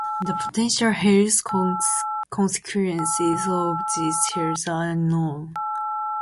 The potential health consequences of these cells are unknown.